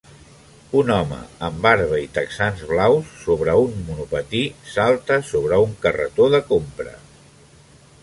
Un home amb barba i texans blaus sobre un monopatí salta sobre un carretó de compra.